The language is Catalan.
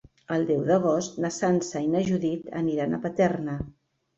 El deu d'agost na Sança i na Judit aniran a Paterna.